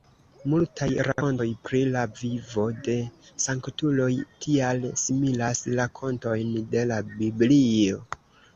Multaj rakontoj pri la vivo de sanktuloj tial similas rakontojn de la Biblio.